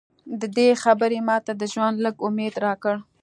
دې خبرې ماته د ژوند لږ امید راکړ